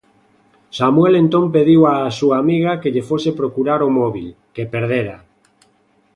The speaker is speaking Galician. Samuel entón pediu á súa amiga que lle fose procurar o móbil, que perdera.